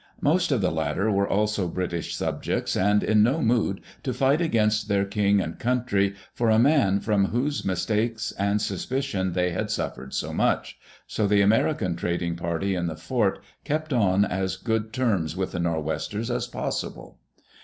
Most of the latter were also British subjects and in no mood to fight against their king and country for a man from whose mistakes and suspicion they had suffered so much, so the American trading party in the fort kept on as good terms with the Nor'Westers as possible.